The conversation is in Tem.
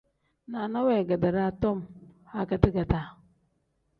Naana weegedi daa tom agedaa-gedaa.